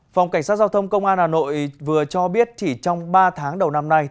phòng cảnh sát giao thông công an hà nội vừa cho biết chỉ trong ba tháng đầu năm nay